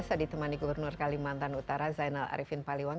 saya ditemani gubernur kalimantan utara zainal arifin paliwang